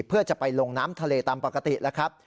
เพื่อจะไปลงน้ำทะเลตามปกติแล้วครับ